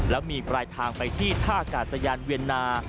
แล้วมีปลายทางไปที่ท่าอากาศยานเวียนนา